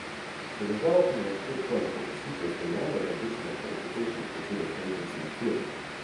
The developing of pre-clinical procedures demanded additional qualification for treating patients in the field.